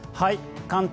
関東